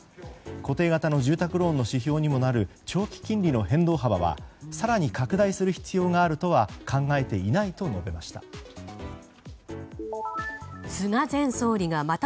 固定型の住宅ローンの指標にもなる長期金利の変動幅は更に拡大する必要があるとは考えていないと述べました。